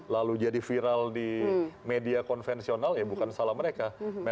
lalu jadi viral di media konvensional ya bukan salah mereka